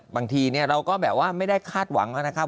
บางทีเราก็แบบว่าไม่ได้คาดหวังนะครับ